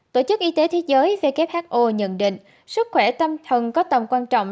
tổ chức y tế thế giới who nhận định sức khỏe tâm thần có tầm quan trọng